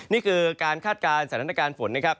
นี่คือการคาดการณ์สถานการณ์ฝนนะครับ